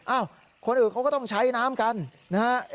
คนอื่นเขาก็ต้องใช้น้ำกันนะฮะ